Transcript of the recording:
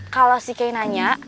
kalau si kay nanya